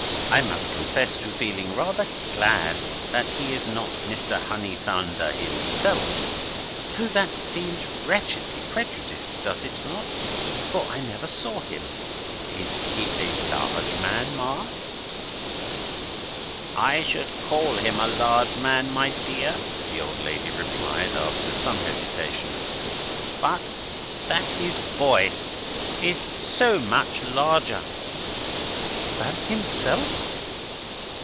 I must confess to feeling rather glad that he is not Mr. Honeythunder himself. Though that seems wretchedly prejudiced—does it not?—for I never saw him. Is he a large man, Ma?" "I should call him a large man, my dear," the old lady replied after some hesitation, "but that his voice is so much larger." "Than himself?"